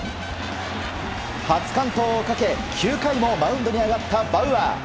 初完投をかけ、９回もマウンドに上がったバウアー。